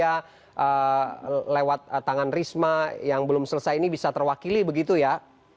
sehingga lewat tangan risma yang belum selesai ini bisa terwakili begitu ya